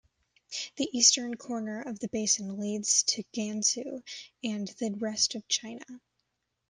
The eastern corner of the basin leads to Gansu and the rest of China.